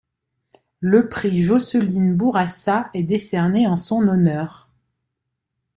Le Prix Jocelyne-Bourassa est décerné en son honneur.